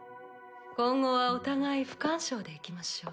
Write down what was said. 今後はお互い不干渉でいきましょう。